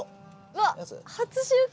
わっ初収穫！